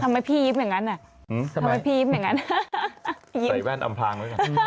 ทำไมพี่ยิ้มอย่างนั้นน่ะอืมทำไม